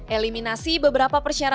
eliminasi beberapa persyaratan